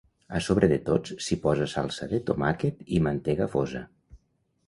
A sobre de tots s'hi posa salsa de tomàquet i mantega fosa.